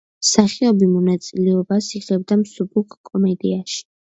მსახიობი მონაწილეობას იღებდა მსუბუქ კომედიაში.